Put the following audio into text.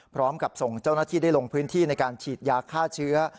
พร้อมกับส่งเจ้าหน้าที่ได้ลงพื้นที่ในการฉีดยาฆ่าเชื้อ